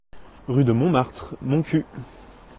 Rue de Montmartre, Montcuq